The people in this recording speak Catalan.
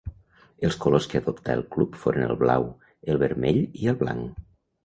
Els colors que adoptà el club foren el blau, el vermell i el blanc.